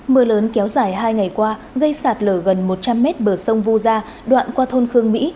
mưa lớn kéo dài hai ngày qua gây sạt lở gần một trăm linh m bờ sông vu gia đoạn qua thôn khương mỹ